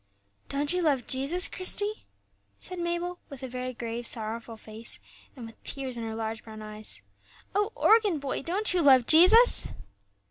"Don't you love Jesus, Christie?" said Mabel, with a very grave, sorrowful face, and with tears in her large brown eyes, "Oh, organ boy, don't you love Jesus?"